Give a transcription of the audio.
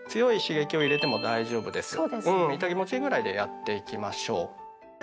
イタ気持ちいいぐらいでやっていきましょう。